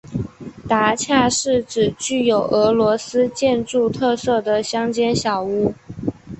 达恰是指具有俄罗斯建筑特色的乡间小屋。